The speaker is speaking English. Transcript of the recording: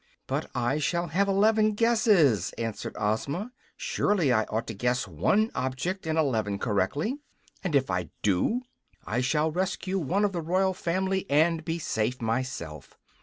"But I shall have eleven guesses," answered Ozma. "Surely I ought to guess one object in eleven correctly; and, if I do, I shall rescue one of the royal family and be safe myself.